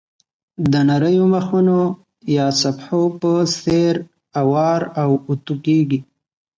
د نریو مخونو یا صفحو په څېر اوار او اوتو کېږي.